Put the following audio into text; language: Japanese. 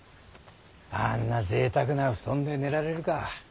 あんなぜいたくな布団で寝られるか。